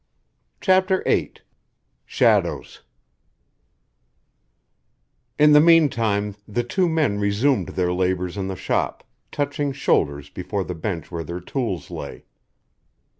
CHAPTER VIII SHADOWS In the meantime the two men resumed their labors in the shop, touching shoulders before the bench where their tools lay.